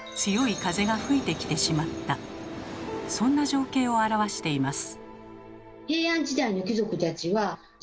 そんな情景を表しています。